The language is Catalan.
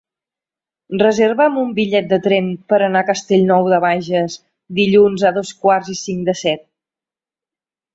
Reserva'm un bitllet de tren per anar a Castellnou de Bages dilluns a dos quarts i cinc de set.